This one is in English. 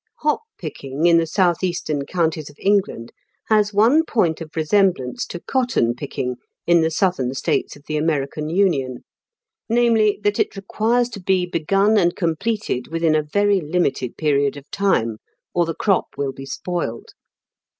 Hop picking in the south eastern counties of England has one point of resemblance to cotton picking in the southern states of the American Union, namely, that it requires to be begun and completed within a very limited 120 m KENT WITH 0EAELE8 DICKENS. period of time, or the crop will be spoiled.